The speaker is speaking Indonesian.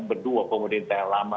berdua pemerintah yang lama